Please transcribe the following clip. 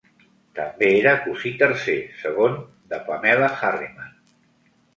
També era cosí tercer, segon de Pamela Harriman.